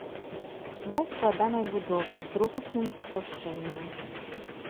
Ствол складанай будовы, з другасным патаўшчэннем.